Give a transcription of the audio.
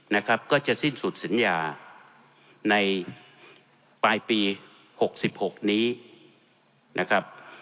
นะครับก็จะสิ้นสุดสัญญาในปลายปี๖๖นี้นะครับ